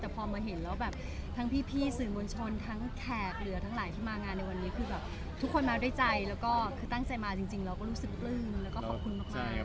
แต่พอมาเห็นแล้วแบบทั้งพี่สื่อมวลชนทั้งแขกเหลือทั้งหลายที่มางานในวันนี้คือแบบทุกคนมาด้วยใจแล้วก็คือตั้งใจมาจริงเราก็รู้สึกปลื้มแล้วก็ขอบคุณมาก